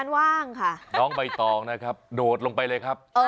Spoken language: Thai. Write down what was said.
นำมให้ตอบนะครับโดดลงไปเลยครับ